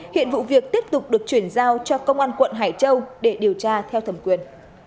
hiện vụ việc tiếp tục được chuyển giao cho công an quận hải châu để điều tra theo thẩm quyền